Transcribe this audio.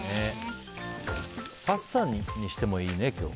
パスタにしてもいいね、今日。